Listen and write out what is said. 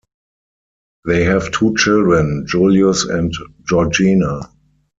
They have two children, Julius and Georgina.